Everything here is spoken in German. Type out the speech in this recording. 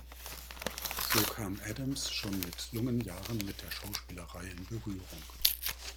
So kam Adams schon mit jungen Jahren mit der Schauspielerei in Berührung.